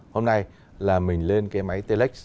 hôm nay là mình lên cái máy telex